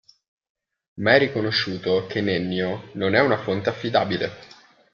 Ma è riconosciuto che Nennio non è una fonte affidabile.